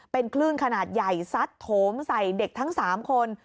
เป็นคลื่นขนาดใหญ่ซัดโถมใส่เด็กทั้ง๓คน